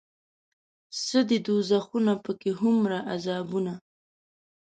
څه دي دوزخونه پکې هومره عذابونه